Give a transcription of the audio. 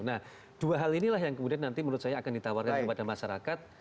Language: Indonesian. nah dua hal inilah yang kemudian nanti menurut saya akan ditawarkan kepada masyarakat